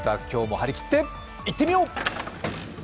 今日も張り切っていってみよう！